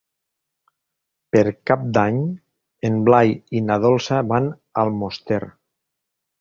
Per Cap d'Any en Blai i na Dolça van a Almoster.